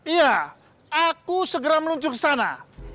iya aku segera meluncur ke sana